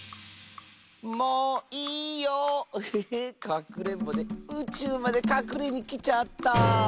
かくれんぼでうちゅうまでかくれにきちゃった」。